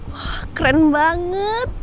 wah keren banget